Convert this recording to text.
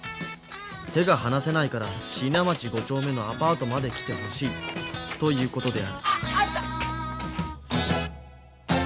手が離せないから椎名町５丁目のアパートまで来てほしいということであるあっあった！